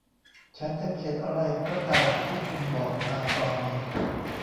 ฉันจะเขียนอะไรก็ตามที่คุณบอกมาตอนนี้